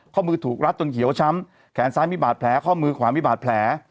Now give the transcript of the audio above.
ข้อมือถูกรัดจนเขียวช้ำแขนซ้ายมีบาดแผลข้อมือขวามีบาดแผล